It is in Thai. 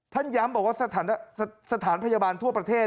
ย้ำบอกว่าสถานพยาบาลทั่วประเทศ